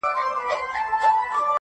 هغه کيسې د چڼچڼيو د وژلو کړلې٫